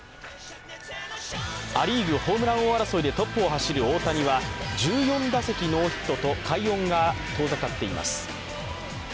ア・リーグホームラン王争いでトップを走る大谷は１４打席ノーヒットと快音が遠ざかっています。